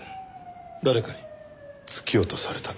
誰かに突き落とされた。